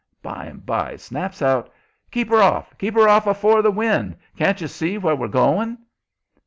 By and by he snaps out: "Keep her off! Keep her off afore the wind! Can't you see where you're going?"